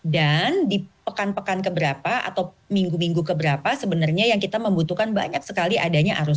dan di pekan pekan keberapa atau minggu minggu keberapa sebenarnya yang kita membutuhkan banyak sekali adanya arus kas